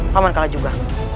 paman kalah juga